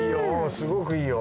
すごくいいよ。